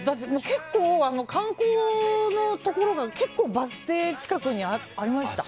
結構、観光のところがバス停近くにありました。